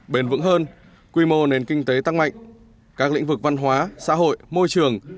bền vững hơn quy mô nền kinh tế tăng mạnh các lĩnh vực văn hóa xã hội môi trường